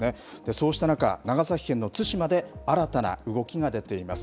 そうした中、長崎県の対馬で新たな動きが出ています。